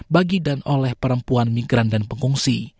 bagi dan oleh perempuan migran dan pengungsi